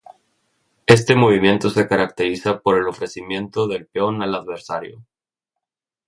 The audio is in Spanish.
Este movimiento se caracteriza por el ofrecimiento del peón al adversario.